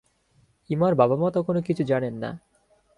ইমার বাবা-মা তখনো কিছু জানেন না।